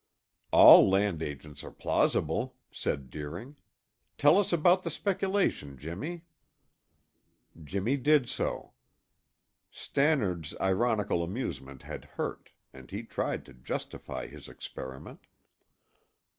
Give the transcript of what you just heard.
"All land agents are plausible," said Deering. "Tell us about the speculation, Jimmy." Jimmy did so. Stannard's ironical amusement had hurt, and he tried to justify his experiment.